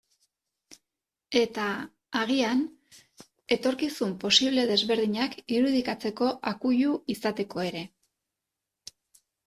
Eta, agian, etorkizun posible desberdinak irudikatzeko akuilu izateko ere.